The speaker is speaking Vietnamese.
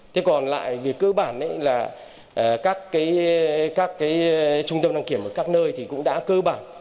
thế còn lại về cơ bản các trung tâm đăng kiểm ở các nơi cũng đã cơ bản